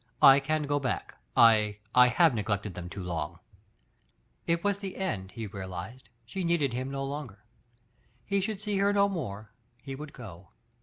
''I ca|i ge bac^ I — I have neglected them too long." It w«5 the end, he realized; sh^ l^a^decj hinn 90 long<^r. He should see h^r no ^pre^ r he \w9uld go.